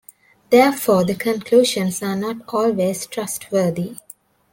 Therefore, the conclusions are not always trustworthy.